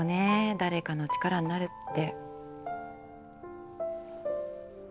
誰かの力になるって。